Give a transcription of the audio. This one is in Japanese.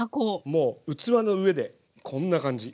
もう器の上でこんな感じ。